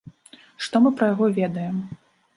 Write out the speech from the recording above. Што мы пра яго ведаем?